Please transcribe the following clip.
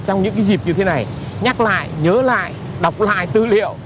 trong những dịp như thế này nhắc lại nhớ lại đọc lại tư liệu